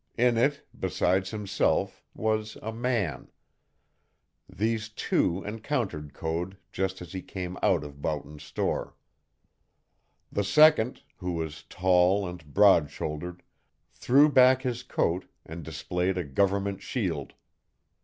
In it, besides himself, was a man. These two encountered Code just as he came out of Boughton's store. The second, who was tall and broad shouldered, threw back his coat and displayed a government shield.